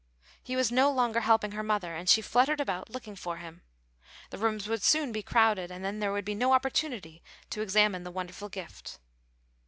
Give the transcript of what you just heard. He was no longer helping her mother, and she fluttered about looking for him. The rooms would soon be crowded, and then there would be no opportunity to examine the wonderful gift.